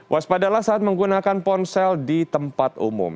waspadalah saat menggunakan ponsel di tempat umum